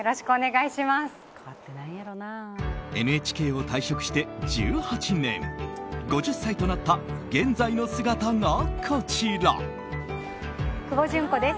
ＮＨＫを退職して１８年５０歳となった現在の姿がこちら。